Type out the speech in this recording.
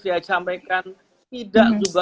saya sampaikan tidak juga